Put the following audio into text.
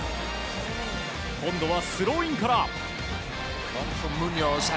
今度はスローインから。